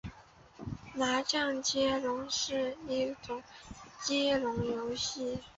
麻将接龙是一种接龙游戏。